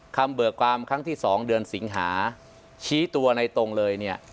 เบิกความครั้งที่๒เดือนสิงหาชี้ตัวในตรงเลยเนี่ย